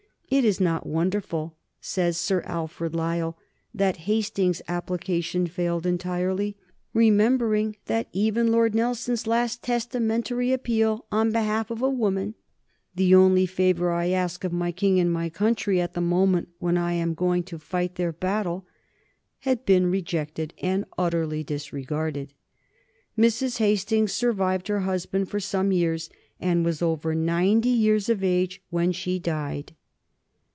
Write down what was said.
It is not wonderful, says Sir Alfred Lyall, that Hastings's application failed entirely, "remembering that even Lord Nelson's last testamentary appeal on behalf of a woman 'the only favor I ask of my King and my country at the moment when I am going to fight their battle' had been rejected and utterly disregarded." Mrs. Hastings survived her husband for some years, and was over ninety years of age when she died.